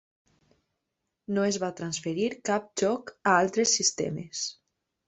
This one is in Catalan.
No es va transferir cap joc a altres sistemes.